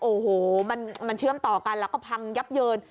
โอ้โหมันเชื่อมต่อกันแล้วก็พังยับเยิน